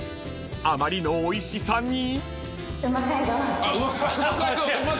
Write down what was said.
［あまりのおいしさに］